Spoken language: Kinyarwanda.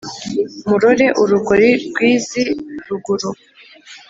murore urugori rw’iz’iruguru